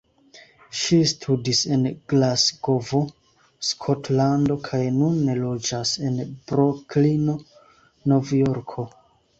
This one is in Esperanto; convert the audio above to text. Ŝi studis en Glasgovo, Skotlando, kaj nune loĝas en Broklino, Novjorko.